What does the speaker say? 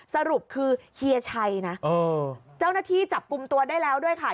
สรุปคือเฮียชัยนะเจ้าหน้าที่จับกลุ่มตัวได้แล้วด้วยค่ะ